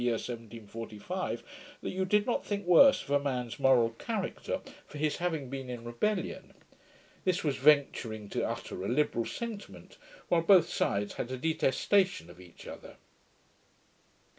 ] while parties ran high, soon after the year 1745, that you did not think worse of a man's moral character for his having been in rebellion. This was venturing to utter a liberal sentiment, while both sides had a detestation of each other.'